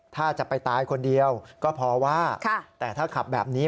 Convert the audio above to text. ถ้าจะไปตายคนเดียวก็พอว่าแต่ถ้าขับแบบนี้